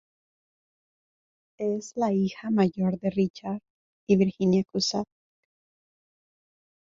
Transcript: Es la hija mayor de Richard y Virginia Cusack.